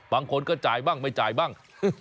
บางคนก็จ่ายบ้างไม่จ่ายบ้าง